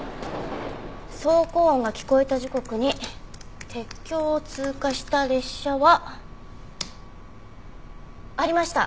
走行音が聞こえた時刻に鉄橋を通過した列車は。ありました。